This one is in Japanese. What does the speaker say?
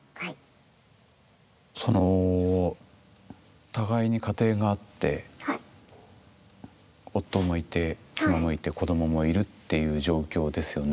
お互いに家庭があって夫もいて妻もいて子どももいるっていう状況ですよね。